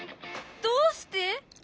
どうして？